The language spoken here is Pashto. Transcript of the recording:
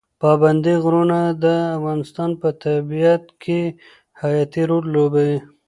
پابندي غرونه د افغانستان په طبیعت کې حیاتي رول لوبوي.